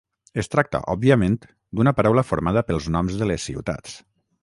Es tracta, òbviament, d'una paraula formada pels noms de les ciutats.